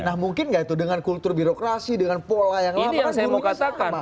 nah mungkin nggak itu dengan kultur birokrasi dengan pola yang lama kan dulu